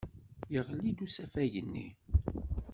Yeɣli-d usafag-nni.